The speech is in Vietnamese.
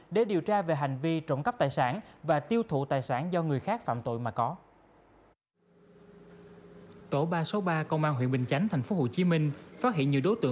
để điều tra về hành vi trộm cắp tài sản và tiêu thụ tài sản do người khác phạm tội mà có